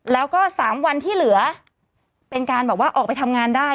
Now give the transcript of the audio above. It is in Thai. แล้วก็๓วันที่เหลือเป็นการแบบว่าออกไปทำงานได้